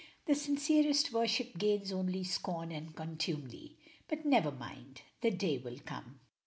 "The sincerest worship gains only scorn and contumely. But never mind! the day will come!